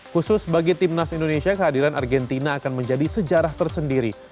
khusus bagi timnas indonesia kehadiran argentina akan menjadi sejarah tersendiri